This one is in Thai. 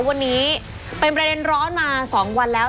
วันนี้เป็นประเด็นร้อนมา๒วันแล้ว